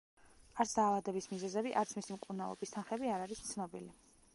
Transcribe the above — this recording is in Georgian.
არც დაავადების მიზეზები, არც მისი მკურნალობის თანხები არ არის ცნობილი.